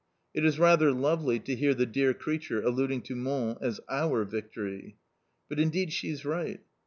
It is rather lovely to hear the dear creature alluding to Mons as "our victory!" But indeed she is right.